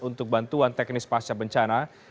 untuk bantuan teknis pasca bencana